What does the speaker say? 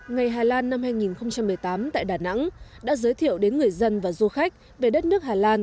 ngày hà lan năm hai nghìn một mươi tám tại đà nẵng đã giới thiệu đến người dân và du khách về đất nước hà lan